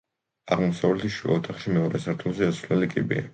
აღმოსავლეთის შუა ოთახში მეორე სართულზე ასასვლელი კიბეა.